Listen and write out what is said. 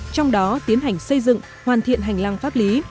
trong đó tiến hành xây dựng hoàn thiện hành lang pháp lý